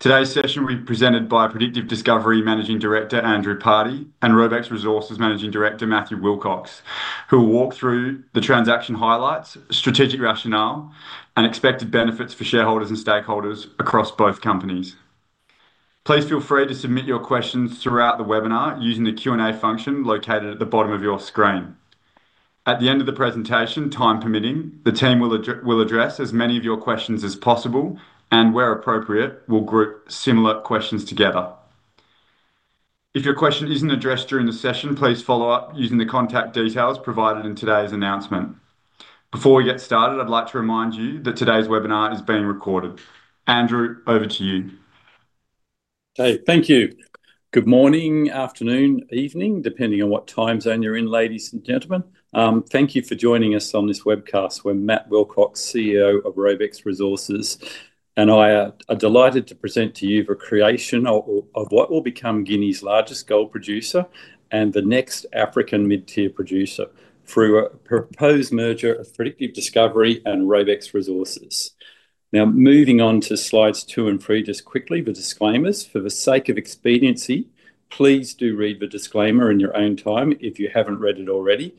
Today's session will be presented by Predictive Discovery Managing Director Andrew Pardey and Robex Resources Managing Director Matthew Wilcox, who will walk through the transaction highlights, strategic rationale, and expected benefits for shareholders and stakeholders across both companies. Please feel free to submit your questions throughout the webinar using the Q&A function located at the bottom of your screen. At the end of the presentation, time permitting, the team will address as many of your questions as possible, and where appropriate, we'll group similar questions together. If your question isn't addressed during the session, please follow up using the contact details provided in today's announcement. Before we get started, I'd like to remind you that today's webinar is being recorded. Andrew, over to you. Hey, thank you. Good morning, afternoon, evening, depending on what time zone you're in, ladies and gentlemen. Thank you for joining us on this webcast. We're Matthew Wilcox, CEO of Robex Resources, and I am delighted to present to you the creation of what will become Guinea's largest gold producer and the next African mid-tier producer through a proposed merger of Predictive Discovery and Robex Resources. Now, moving on to slides two and three, just quickly, the disclaimers for the sake of expediency. Please do read the disclaimer in your own time if you haven't read it already,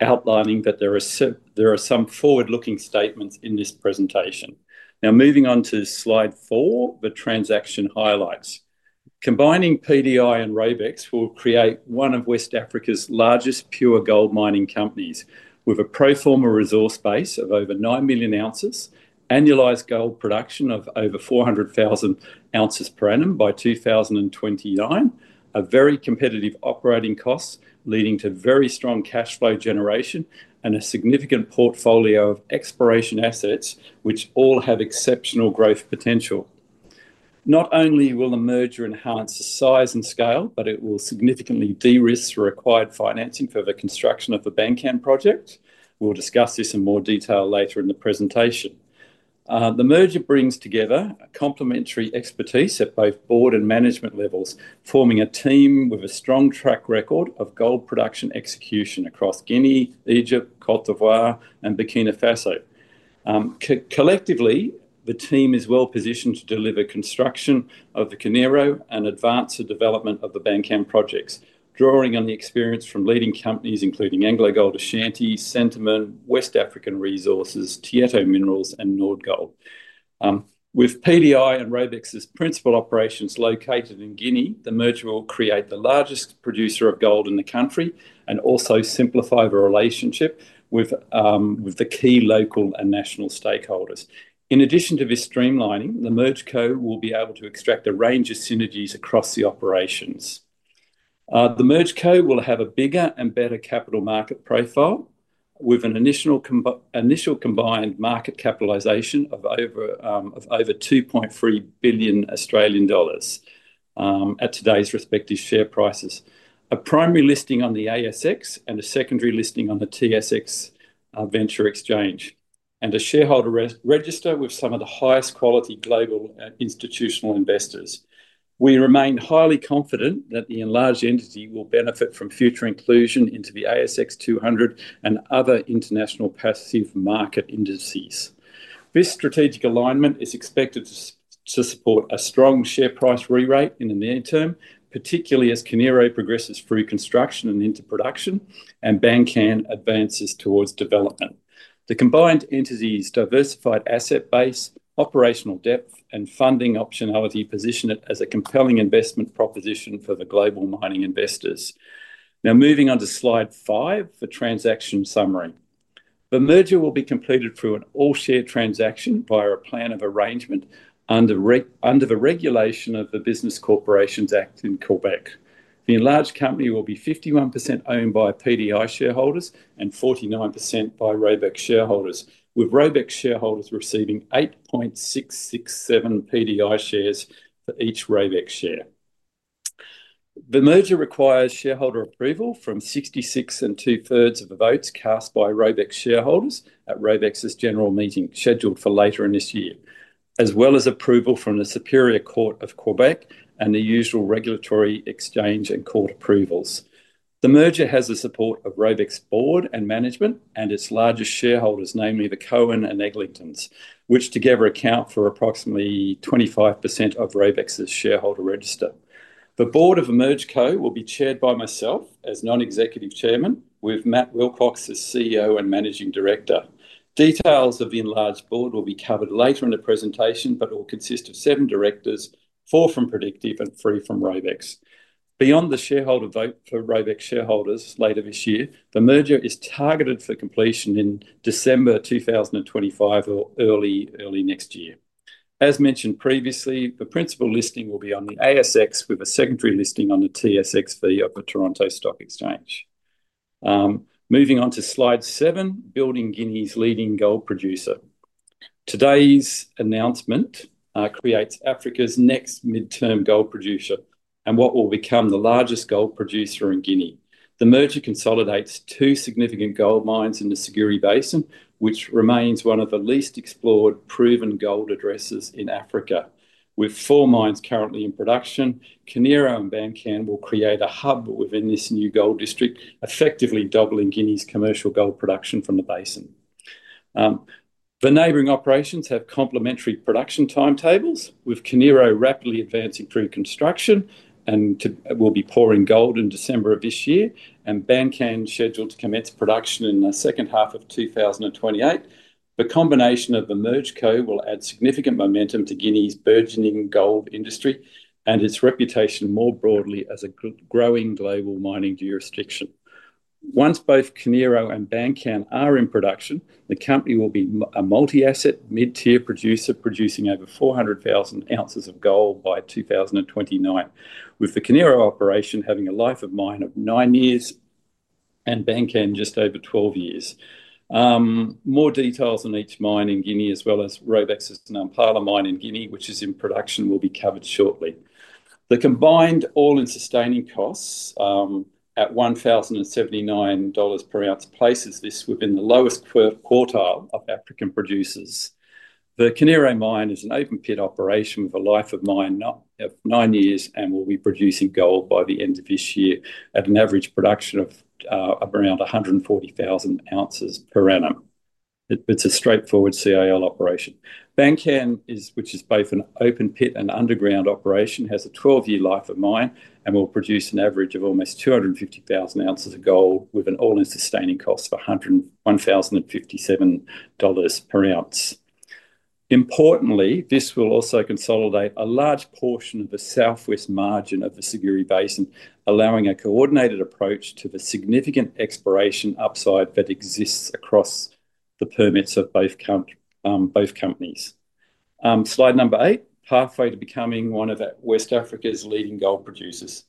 outlining that there are some forward-looking statements in this presentation. Now, moving on to slide four, the transaction highlights. Combining Predictive Discovery and Robex Resources. will create one of West Africa's largest pure gold mining companies with a pro forma resource base of over 9 million oz, annualized gold production of over 400,000 oz per annum by 2029, a very competitive operating cost, leading to very strong cash flow generation, and a significant portfolio of exploration assets, which all have exceptional growth potential. Not only will the merger enhance the size and scale, but it will significantly de-risk the required financing for the construction of the Bankan Gold Project. We'll discuss this in more detail later in the presentation. The merger brings together complementary expertise at both board and management levels, forming a team with a strong track record of gold production execution across Guinea, Egypt, Côte d'Ivoire, and Burkina Faso. Collectively, the team is well positioned to deliver construction of the Kiniero and advance the development of the Bankan Gold Project, drawing on the experience from leading companies, including AngloGold Ashanti, Centamin, West African Resources, Tietto Minerals, and Nordgold. With Predictive Discovery and Robex Resources' principal operations located in Guinea, the merger will create the largest producer of gold in the country and also simplify the relationship with the key local and national stakeholders. In addition to this streamlining, the merged company will be able to extract a range of synergies across the operations. The merged company will have a bigger and better capital market profile with an initial combined market capitalization of over 2.3 billion Australian dollars at today's respective share prices, a primary listing on the ASX and a secondary listing on the TSX Venture Exchange, and a shareholder register with some of the highest quality global institutional investors. We remain highly confident that the enlarged entity will benefit from future inclusion into the ASX 200 and other international passive market indices. This strategic alignment is expected to support a strong share price re-rate in the near term, particularly as Kiniero progresses through construction and into production, and Bankan advances towards development. The combined entity's diversified asset base, operational depth, and funding optionality position it as a compelling investment proposition for global mining investors. Now, moving on to slide five for transaction summary. The merger will be completed through an all-share transaction via a plan of arrangement under the regulation of the Business Corporations Act in Quebec. The large company will be 51% owned by Predictive Discovery shareholders and 49% by Robex Resources shareholders, with Robex shareholders receiving 8.667 Predictive Discovery shares for each Robex share. The merger requires shareholder approval from 66% and 2/3 of the votes cast by Robex shareholders at Robex's general meeting scheduled for later in this year, as well as approval from the Superior Court of Quebec and the usual regulatory exchange and court approvals. The merger has the support of the Robex board and management and its largest shareholders, namely the Cohen family and Eglinton family, which together account for approximately 25% of Robex's shareholder register. The board of the merged company will be chaired by myself as Non-Executive Chairman, with Matthew Wilcox as CEO and Managing Director. Details of the enlarged board will be covered later in the presentation, but it will consist of seven directors, four from Predictive Discovery Limited and three from Robex Resources. Beyond the shareholder vote for Robex shareholders later this year, the merger is targeted for completion in December 2025 or early next year. As mentioned previously, the principal listing will be on the ASX with a secondary listing on the TSX Venture Exchange of the Toronto Stock Exchange. Moving on to slide seven, building Guinea's leading gold producer. Today's announcement creates Africa's next mid-tier gold producer and what will become the largest gold producer in Guinea. The merger consolidates two significant gold mines in the Siguiri Basin, which remains one of the least explored proven gold addresses in Africa. With four mines currently in production, Kiniero and Bankan will create a hub within this new gold district, effectively doubling Guinea's commercial gold production from the basin. The neighboring operations have complementary production timetables, with Kiniero rapidly advancing through construction and will be pouring gold in December of this year, and Bankan scheduled to commence production in the second half of 2028. The combination of the merged co will add significant momentum to Guinea's burgeoning gold industry and its reputation more broadly as a growing global mining jurisdiction. Once both Kiniero and Bankan are in production, the company will be a multi-asset mid-tier producer producing over 400,000 oz of gold by 2029, with the Kiniero operation having a life of mine of nine years and Bankan just over 12 years. More details on each mine in Guinea, as well as Robex's Nampala Mine in Mali, which is in production, will be covered shortly. The combined all-in sustaining costs at 1,079 dollars per oz places this within the lowest quartile of African producers. The Kiniero mine is an open pit operation with a life of mine of nine years and will be producing gold by the end of this year at an average production of around 140,000 oz per annum. It's a straightforward open pit operation. Bankan, which is both an open pit and underground operation, has a 12-year life of mine and will produce an average of almost 250,000 oz of gold with an all-in sustaining cost of 1,057 dollars per oz. Importantly, this will also consolidate a large portion of the southwest margin of the Siguiri Basin, allowing a coordinated approach to the significant exploration upside that exists across the permits of both companies. Slide number eight, pathway to becoming one of West Africa's leading gold producers.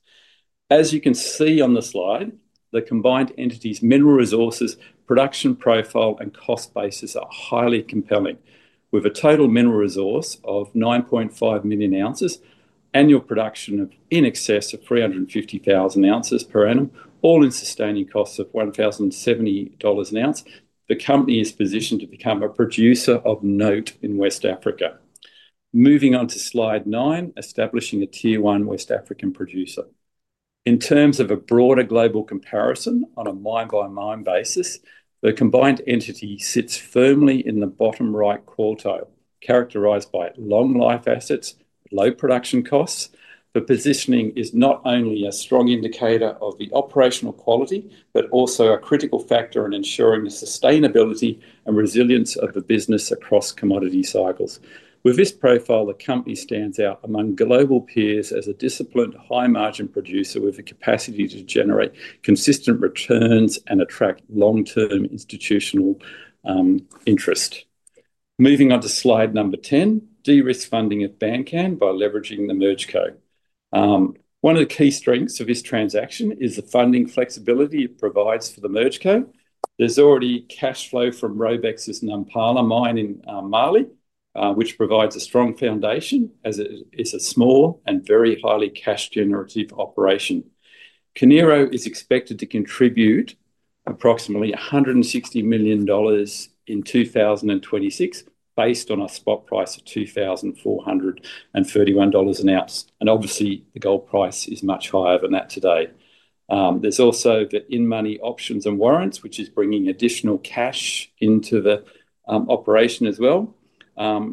As you can see on the slide, the combined entity's mineral resources, production profile, and cost basis are highly compelling, with a total mineral resource of 9.5 million oz, annual production in excess of 350,000 oz per annum, all-in sustaining costs of 1,070 dollars an ounce. The company is positioned to become a producer of note in West Africa. Moving on to slide nine, establishing a tier one West African producer. In terms of a broader global comparison on a mine by mine basis, the combined entity sits firmly in the bottom right quartile, characterized by long life assets, low production costs. The positioning is not only a strong indicator of the operational quality, but also a critical factor in ensuring the sustainability and resilience of the business across commodity cycles. With this profile, the company stands out among global peers as a disciplined, high-margin producer with the capacity to generate consistent returns and attract long-term institutional interest. Moving on to slide number 10, de-risk funding at Bankan by leveraging the merged co. One of the key strengths of this transaction is the funding flexibility it provides for the merged co. There's already cash flow from Robex's Nampala Gold Mine in Mali, which provides a strong foundation as it is a small and very highly cash-generative operation. Kiniero is expected to contribute approximately 160 million dollars in 2026, based on a spot price of 2,431 dollars an ounce. Obviously, the gold price is much higher than that today. There's also the in-money options and warrants, which is bringing additional cash into the operation as well.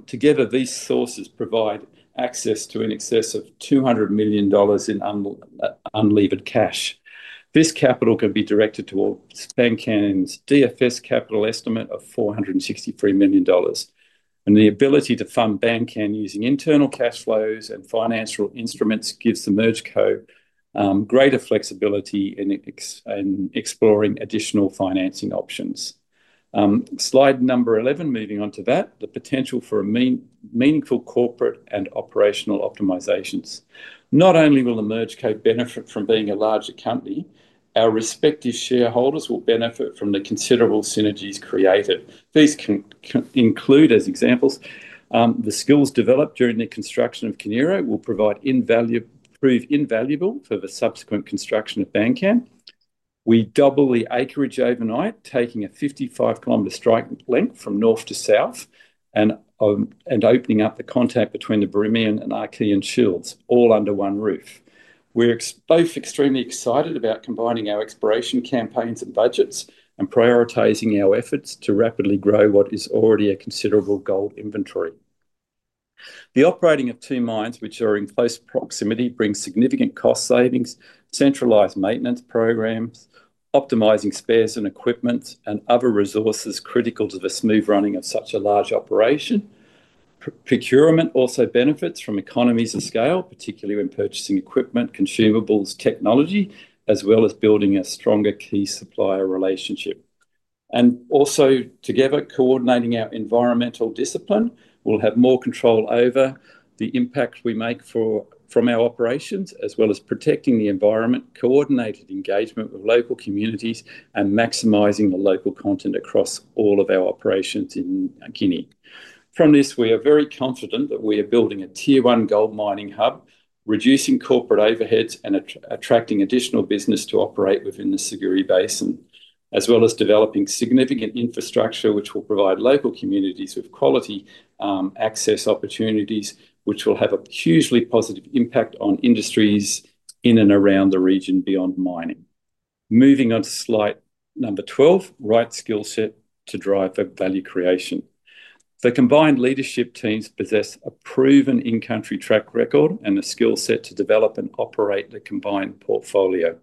Together, these sources provide access to an excess of 200 million dollars in unlevered cash. This capital can be directed towards Bankan's DFS capital estimate of 463 million dollars. The ability to fund Bankan using internal cash flows and financial instruments gives the merged co greater flexibility in exploring additional financing options. Slide number 11, moving on to that, the potential for meaningful corporate and operational optimizations. Not only will the merged co benefit from being a larger company, our respective shareholders will benefit from the considerable synergies created. These can include as examples the skills developed during the construction of Kiniero will prove invaluable for the subsequent construction of Bankan. We double the acreage overnight, taking a 55 km strike length from north to south and opening up the contact between the Birimian and Archean Shields, all under one roof. We're both extremely excited about combining our exploration campaigns and budgets and prioritizing our efforts to rapidly grow what is already a considerable gold inventory. The operating of two mines, which are in close proximity, brings significant cost savings, centralized maintenance programs, optimizing spares and equipment, and other resources critical to the smooth running of such a large operation. Procurement also benefits from economies of scale, particularly when purchasing equipment, consumables, technology, as well as building a stronger key supplier relationship. Together coordinating our environmental discipline, we'll have more control over the impact we make from our operations, as well as protecting the environment, coordinated engagement with local communities, and maximizing the local content across all of our operations in Guinea. From this, we are very confident that we are building a tier one gold mining hub, reducing corporate overheads and attracting additional business to operate within the Siguiri Basin, as well as developing significant infrastructure which will provide local communities with quality access opportunities, which will have a hugely positive impact on industries in and around the region beyond mining. Moving on to slide number 12, right skill set to drive the value creation. The combined leadership teams possess a proven in-country track record and the skill set to develop and operate the combined portfolio.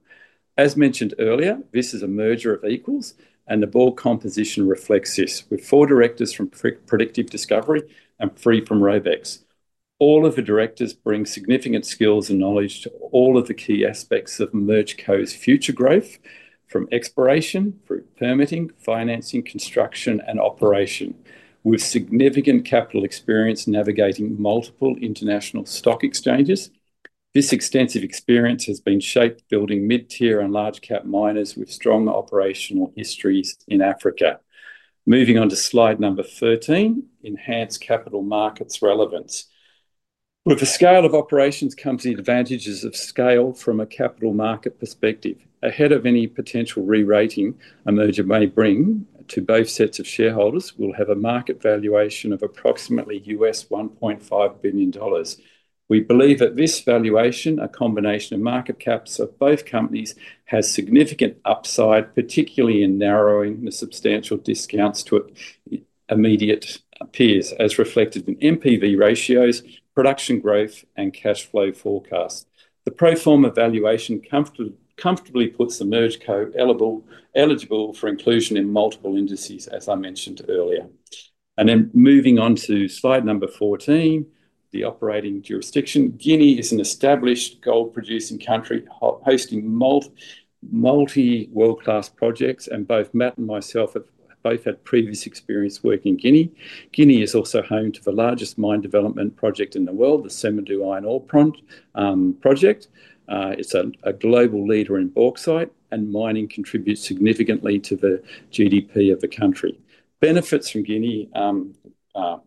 As mentioned earlier, this is a merger of equals, and the board composition reflects this, with four directors from Predictive Discovery and three from Robex Resources. All of the directors bring significant skills and knowledge to all of the key aspects of merge co's future growth, from exploration through permitting, financing, construction, and operation, with significant capital experience navigating multiple international stock exchanges. This extensive experience has been shaped building mid-tier and large-cap miners with strong operational histories in Africa. Moving on to slide number 13, enhanced capital markets relevance. With the scale of operations comes the advantages of scale from a capital market perspective. Ahead of any potential re-rating, a merger may bring to both sets of shareholders will have a market valuation of approximately AUD 1.5 billion. We believe at this valuation, a combination of market caps of both companies has significant upside, particularly in narrowing the substantial discounts to immediate peers, as reflected in MPV ratios, production growth, and cash flow forecasts. The pro forma valuation comfortably puts the merged company eligible for inclusion in multiple indices, as I mentioned earlier. Moving on to slide number 14, the operating jurisdiction. Guinea is an established gold-producing country, hosting multiple world-class projects, and both Matt and myself have both had previous experience working in Guinea. Guinea is also home to the largest mine development project in the world, the Simandou Iron Ore Project. It's a global leader in bauxite, and mining contributes significantly to the GDP of the country. Benefits from Guinea are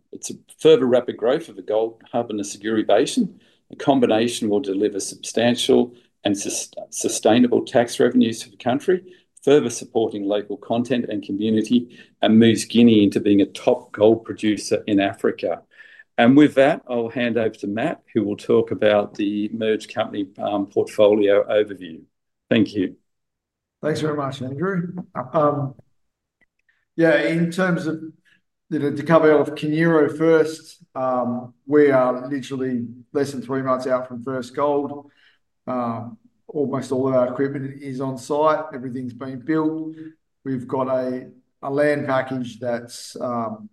further rapid growth of the gold hub in the Siguiri Basin. The combination will deliver substantial and sustainable tax revenues to the country, further supporting local content and community, and moves Guinea into being a top gold producer in Africa. With that, I'll hand over to Matt, who will talk about the merged company portfolio overview. Thank you. Thanks very much, Andrew. Yeah, in terms of the cover of Kiniero first, we are literally less than three months out from first gold. Almost all of our equipment is on site. Everything's being built. We've got a land package that's currently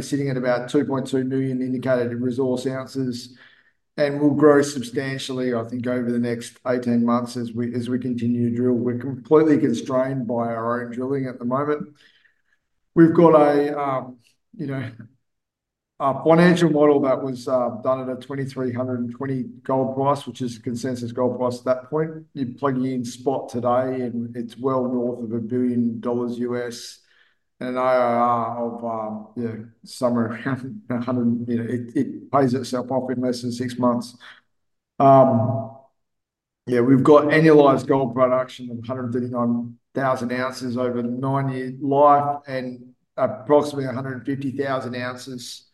sitting at about 2.2 million indicated in resource ounces and will grow substantially, I think, over the next eight, ten months as we continue to drill. We're completely constrained by our own drilling at the moment. We've got a financial model that was done at a 2,320 gold price, which is a consensus gold price at that point. You plug in spot today, and it's well north of $1 billion U.S. and an IRR of, yeah, somewhere around 100%. It pays itself off in less than six months. We've got annualized gold production of 139,000 oz over nine years' life and approximately 150,000 oz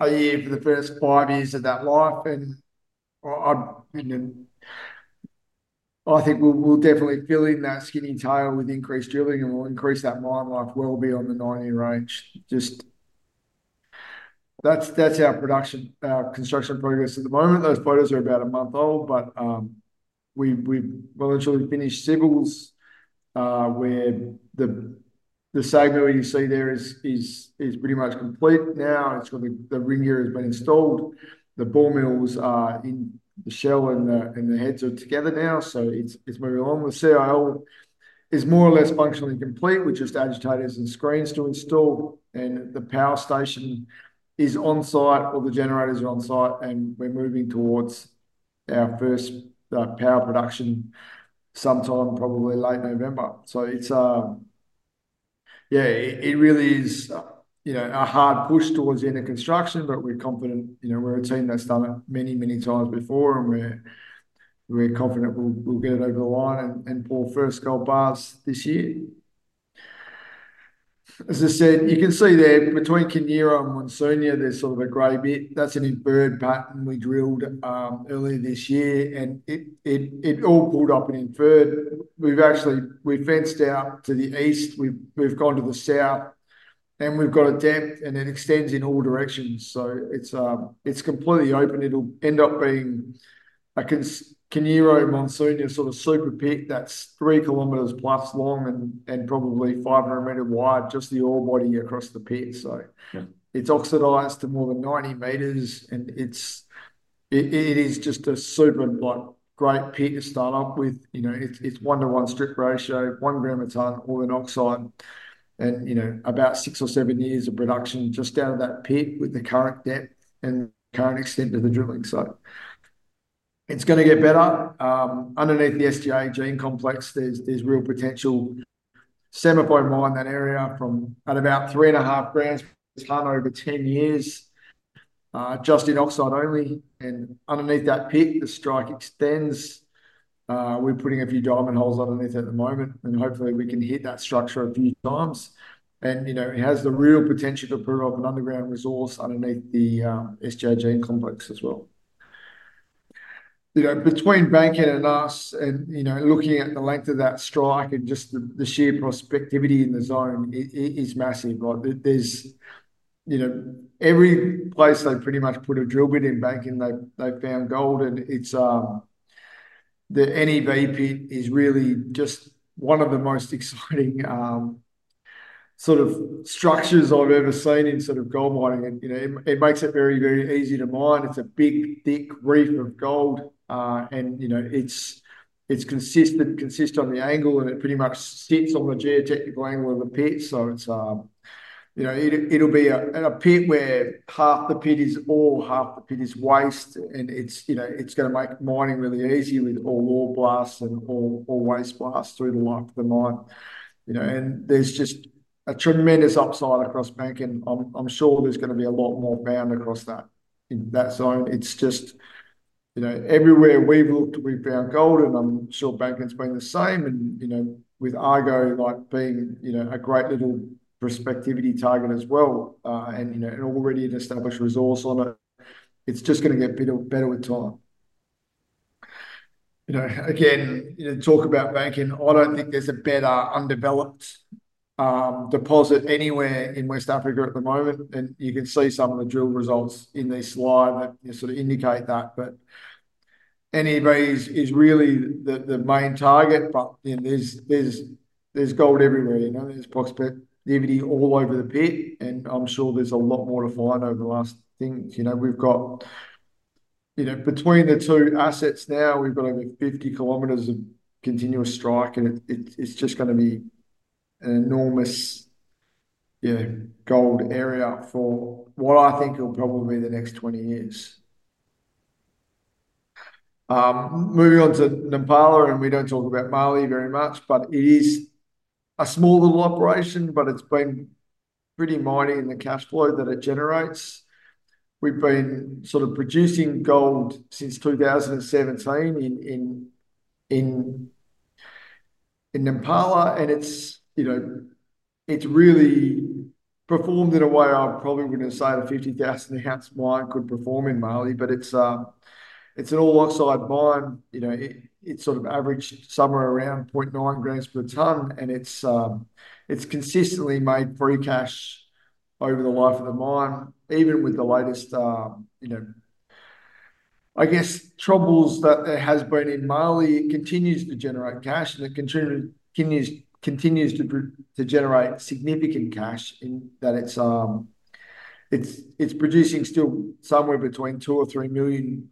a year for the first five years of that life. I think we'll definitely fill in that skinny tail with increased drilling, and we'll increase that mine life. We'll be on the nine-year range. That's our production construction progress at the moment. Those photos are about a month old, but we've literally finished civils where the SAG mill you see there is pretty much complete now. The ring gear has been installed. The ball mills are in, the shell and the heads are together now, so it's moving along. The CIL is more or less functionally complete with just agitators and screens to install, and the power station is on site. All the generators are on site, and we're moving towards our first power production sometime probably late November. It really is a hard push towards the end of construction, but we're confident, you know, we're a team that's done it many, many times before, and we're confident we'll get it over the line and pour first gold bars this year. As I said, you can see there between Kiniero and Mansounia, there's sort of a gray bit. That's an inferred pattern we drilled earlier this year, and it all pulled up and inferred. We've actually fenced out to the east. We've gone to the south, and we've got a dent, and it extends in all directions. It's completely open. It'll end up being a Kiniero-Mansounia sort of super pit that's 3+ km long and probably 500 m wide, just the ore boating across the pit. It's oxidized to more than 90 m, and it is just a super great pit to start up with. You know, it's one-to-one strip ratio, one gram a ton, all in oxide, and about six or seven years of production just out of that pit with the current depth and current extent of the drilling site. It's going to get better. Underneath the SGA gene complex, there's real potential. Semaphore mined that area from at about three and a half grams a ton over 10 years, just in oxide only. Underneath that pit, the strike extends. We're putting a few diamond holes underneath at the moment, and hopefully we can hit that structure a few times. It has the real potential to prove up an underground resource underneath the SGA gene complex as well. Between Bankan and us, looking at the length of that strike and just the sheer prospectivity in the zone is massive. Everywhere they pretty much put a drill bit in Bankan, they found gold, and the NEB pit is really just one of the most exciting sort of structures I've ever seen in gold mining. It makes it very, very easy to mine. It's a big, thick reef of gold, and it's consistent on the angle, and it pretty much sits on the geotechnical angle of the pit. It'll be a pit where half the pit is ore and half the pit is waste, and it's going to make mining really easy with all ore blasts and all waste blasts through the line for the mine. There's just a tremendous oxide across Bankan. I'm sure there's going to be a lot more found across that in that zone. Everywhere we've looked, we've found gold, and I'm sure Bankan's been the same, with Argo being a great little prospectivity target as well, and already an established resource on it. It's just going to get better with time. Again, talk about Bankan. I don't think there's a better undeveloped deposit anywhere in West Africa at the moment, and you can see some of the drill results in this slide that indicate that. NEB is really the main target, but there's gold everywhere. There's prospectivity all over the pit, and I'm sure there's a lot more to find over the last things. Between the two assets now, we've got over 50 km of continuous strike, and it's just going to be an enormous gold area for what I think will probably be the next 20 years. Moving on to Nampala, and we don't talk about Mali very much, but it is a small little operation, but it's been pretty mighty in the cash flow that it generates. We've been sort of producing gold since 2017 in Nampala, and it's, you know, it's really performed in a way I probably wouldn't say the 50,000 oz mine could perform in Mali, but it's an all-oxide mine. You know, it's sort of averaged somewhere around 0.9 g per ton, and it's consistently made free cash over the life of the mine, even with the latest, you know, I guess troubles that there have been in Mali. It continues to generate cash, and it continues to generate significant cash in that it's producing still somewhere between 2 million or 3 million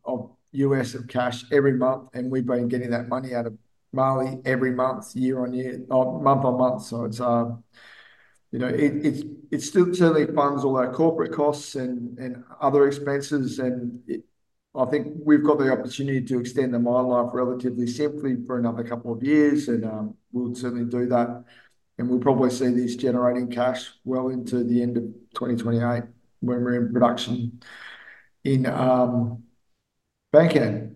of cash every month, and we've been getting that money out of Mali every month, year-on-year, month-on-month. It's still certainly bundles all our corporate costs and other expenses, and I think we've got the opportunity to extend the mine life relatively simply for another couple of years, and we'll certainly do that, and we'll probably see this generating cash well into the end of 2028 when we're in production in Bankan.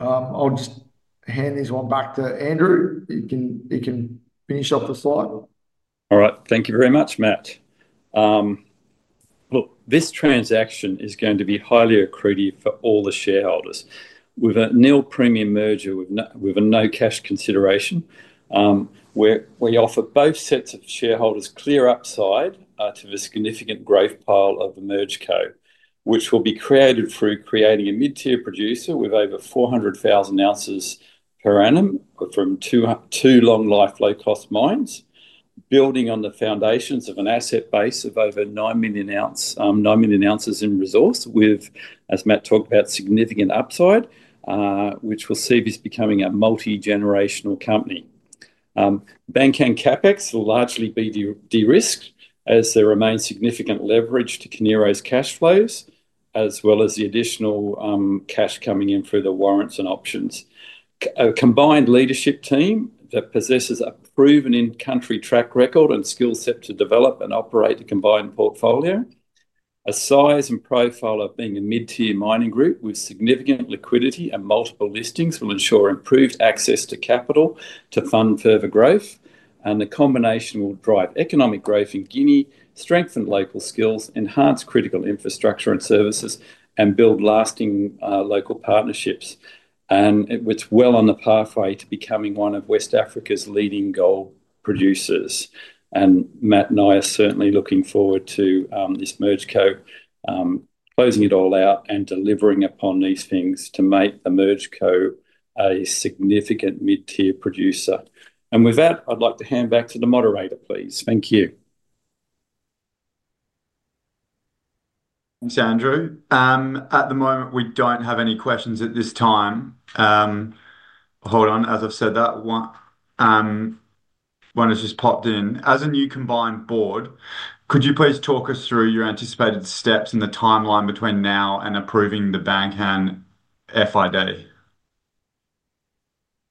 I'll just hand this one back to Andrew. You can finish off the slide. All right, thank you very much, Matt. Look, this transaction is going to be highly accretive for all the shareholders. With a nil-premium merger with a no-cash consideration, we offer both sets of shareholders clear upside to the significant growth profile of a merged co, which will be created through creating a mid-tier producer with over 400,000 oz per annum from two long-life low-cost mines, building on the foundations of an asset base of over 9 million oz in resource, with, as Matt talked about, significant upside, which will see this becoming a multi-generational company. Bankan CapEx will largely be de-risked as there remains significant leverage to Kiniero's cash flows, as well as the additional cash coming in through the warrants and options. A combined leadership team that possesses a proven in-country track record and skill set to develop and operate a combined portfolio. A size and profile of being a mid-tier mining group with significant liquidity and multiple listings will ensure improved access to capital to fund further growth, and the combination will drive economic growth in Guinea, strengthen local skills, enhance critical infrastructure and services, and build lasting local partnerships. It is well on the pathway to becoming one of West Africa's leading gold producers. Matt and I are certainly looking forward to this merged co closing it all out and delivering upon these things to make the merged co a significant mid-tier producer. With that, I'd like to hand back to the Moderator, please. Thank you. Thanks, Andrew. At the moment, we don't have any questions at this time. Hold on. As I've said, that one has just popped in. As a new combined board, could you please talk us through your anticipated steps in the timeline between now and approving the Bankan FID?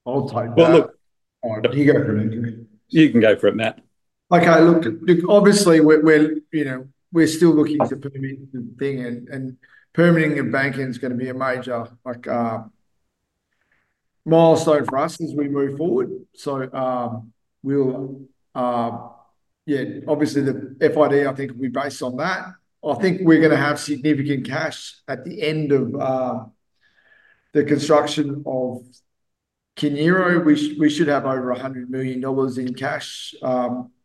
I'll take that. Well, look. You go for it, Andrew. You can go for it, Matt. Okay, look, obviously we're still looking for permitting and things, and permitting in Bankan is going to be a major milestone for us as we move forward. Yeah, obviously the FID, I think, will be based on that. I think we're going to have significant cash at the end of the construction of Kiniero. We should have over 100 million dollars in cash,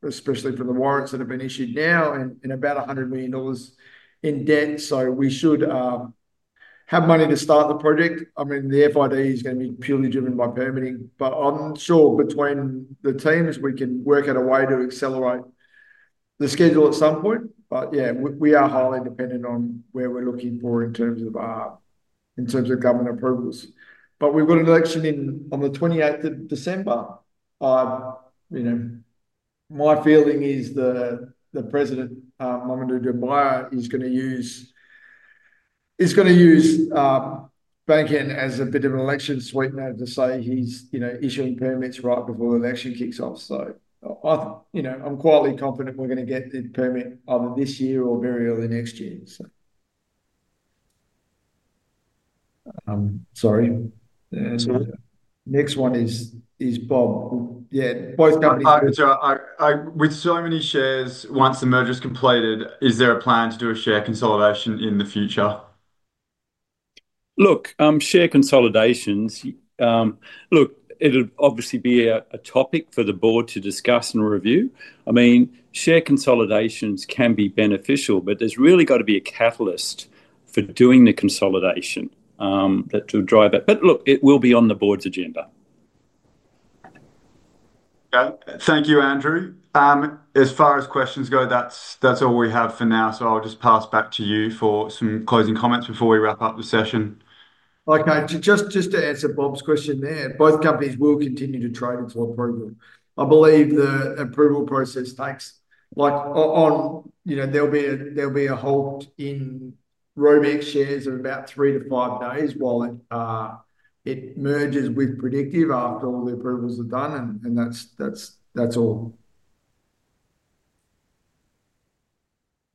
especially for the warrants that have been issued now, and about 100 million dollars in debt. We should have money to start the project. I mean, the FID is going to be purely driven by permitting. I'm sure between the teams, we can work out a way to accelerate the schedule at some point. We are highly dependent on where we're looking for in terms of government approvals. We've got an election on the 28th of December. My feeling is the president, Mamady Doumbouya, is going to use Bankan as a bit of an election sweep now to say he's issuing permits right before the election kicks off. I'm quietly confident we're going to get the permit either this year or very early next year. Sorry. Yeah, that's good. Next one is Bob. Yeah, both companies are going to. With so many shares, once the merger is completed, is there a plan to do a share consolidation in the future? Share consolidations will obviously be a topic for the board to discuss and review. Share consolidations can be beneficial, but there's really got to be a catalyst for doing the consolidation that will drive it. It will be on the board's agenda. Thank you, Andrew. As far as questions go, that's all we have for now. I'll just pass back to you for some closing comments before we wrap up the session. Okay, just to answer Bob's question there, both companies will continue to trade until approval. I believe the approval process takes, like, you know, there'll be a halt in Robex shares of about three to five days while it merges with Predictive after all the approvals are done. That's all.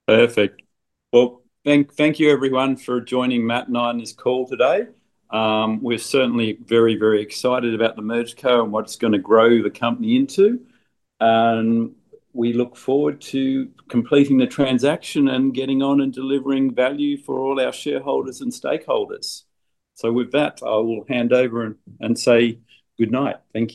Perfect. Thank you everyone for joining Matt and I on this call today. We're certainly very, very excited about the merged co and what it's going to grow the company into. We look forward to completing the transaction and getting on and delivering value for all our shareholders and stakeholders. With that, I will hand over and say good night. Thank you.